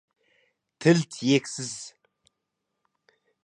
Тіл тиексіз.